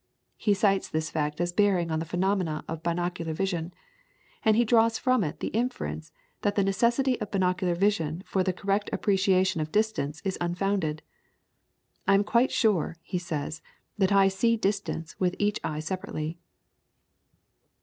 He cites this fact as bearing on the phenomena of binocular vision, and he draws from it the inference that the necessity of binocular vision for the correct appreciation of distance is unfounded. "I am quite sure," he says, "that I SEE DISTANCE with EACH EYE SEPARATELY."